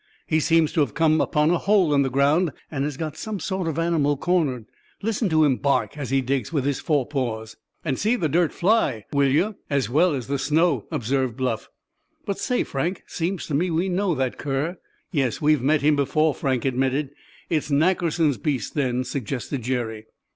He seems to have come upon a hole in the ground, and has got some sort of animal cornered. Listen to him bark as he digs with his forepaws!" "And see the dirt fly, will you, as well as the snow!" observed Bluff. "But say, Frank, seems to me we know that cur." "Yes, we've met him before," Frank admitted. "It's Nackerson's beast, then," suggested Jerry.